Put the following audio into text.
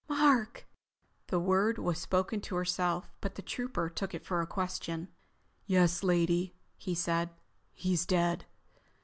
"Mark." The word was spoken to herself, but the Trooper took it for a question. "Yes, lady," he said. "He's dead.